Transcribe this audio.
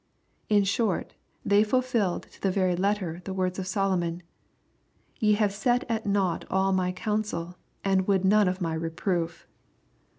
In short they fulfilled to the very letter the words of Solomon :" Ye have set at nought all my counsel and would none of my reproof."